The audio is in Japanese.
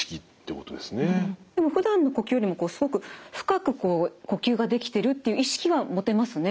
でもふだんの呼吸よりもすごく深くこう呼吸ができてるっていう意識は持てますね